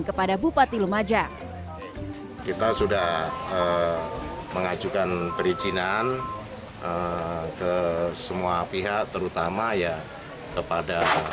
kepada bupati lumajang kita sudah mengajukan perizinan ke semua pihak terutama ya kepada